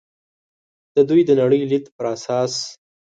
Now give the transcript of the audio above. د دوی د نړۍ لید پر اساس.